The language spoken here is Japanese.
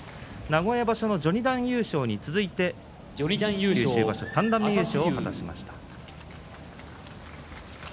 名古屋場所の序二段優勝に続いて三段目優勝を果たしました。